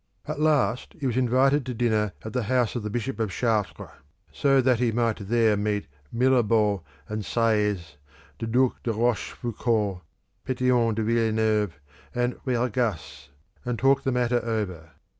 At last he was invited to dinner at the house of the Bishop of Chartres, that he might there meet Mirabeau and Seiyes, the Duc de Rochefoucauld, Pétion de Villeneuve, and Bergasse, and talk the matter over.